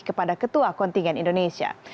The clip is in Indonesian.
kepada ketua kontingen indonesia